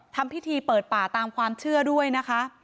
ทำพิธีเปิดป่าตามความเชื่อด้วยนะคะ